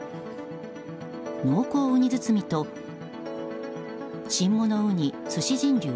濃厚うに包みと新物うに鮨し人流